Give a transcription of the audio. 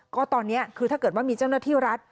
ก็ตอนนี้คือถ้าเกิดว่ามีเจ้าหน้าที่รัฐ